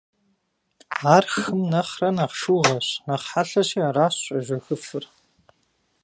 Ар хым нэхърэ нэхъ шыугъэщ, нэхъ хъэлъэщи аращ щӏежэхыфыр.